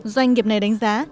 doanh nghiệp này đánh giá